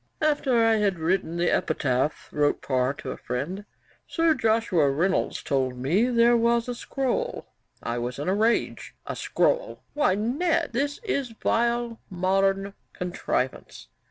'After I had written the epitaph,' wrote Parr to a friend, 'Sir Joshua Reynolds told me there was a scroll. I was in a rage. A scroll! Why, Ned, this is vile modern contrivance.